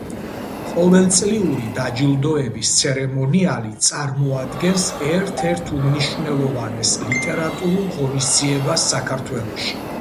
ყოველწლიური დაჯილდოების ცერემონიალი წარმოადგენს ერთ-ერთ უმნიშვნელოვანეს ლიტერატურულ ღონისძიებას საქართველოში.